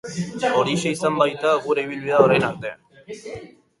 Horixe izan baita gure ibilbidea orain arte.